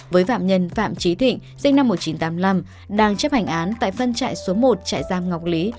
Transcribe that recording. với phạm nhân phạm trí thịnh sinh năm một nghìn chín trăm tám mươi năm đang chấp hành án tại phân trại số một trại giam ngọc lý